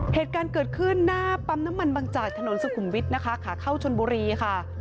เหตุการณ์เกิดขึ้นหน้าปั๊มน้ำมันบางจากถนนสุขุมวิทย์นะคะขาเข้าชนบุรีค่ะ